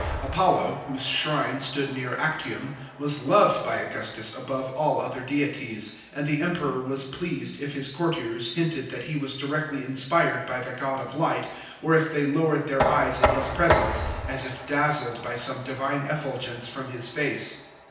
J Apollo, whose shrine stood near Actium, was loved by Augustus above all other deities, and the Emperor was pleased if his courtiers hinted that he was directly inspired by the <zod of light or if they lowered their eyes in his presence, as if dazzled by some divine effulgence from his face.